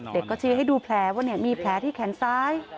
เด็กก็ชี้ให้ดูแผลว่ามีแผลที่แขนซ้าย